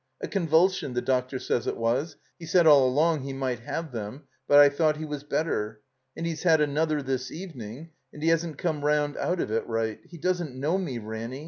A convulsion, the doctor says it was; he said all along he might have them, but I thought he was better. And he's had another this evening, and he hasn't come rotmd out of it right. He doesn't know me, Ranny."